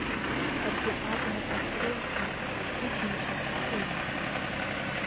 Ҳаргьы абнақәа ҳрылҵма, ақәыџьма шьа ҳалоума?